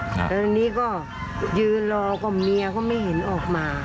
แล้วทีนี้ก็ยืนรอก็เมียก็ไม่เห็นออกมา